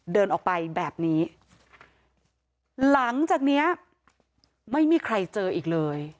เดินออกไปแบบนี้หลังจากเนี้ยไม่มีใครเจออีกเลย